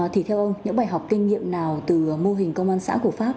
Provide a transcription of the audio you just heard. thì theo ông những bài học kinh nghiệm nào từ mô hình công an xã của pháp